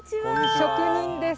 職人です。